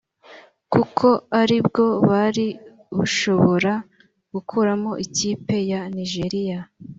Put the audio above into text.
kuko ari bwo bari bushobora gukuramo ikipe ya Nigeria